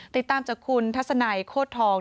ติดตามจากคุณทัศนัยโคตรทอง